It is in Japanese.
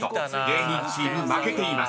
芸人チーム負けています］